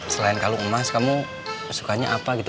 selain kalung emas kamu sukanya apa gitu